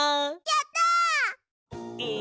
やった！え